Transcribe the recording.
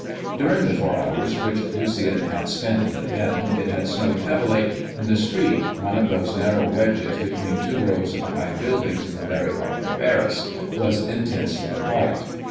During the four hours which Lucien had spent in the den it had snowed heavily, and the street, one of those narrow wedges between two rows of high buildings in the very heart of Paris, was intensely white.